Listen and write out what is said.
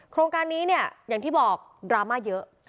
โครงการนี้เนี่ยอย่างที่บอกดราม่าเยอะ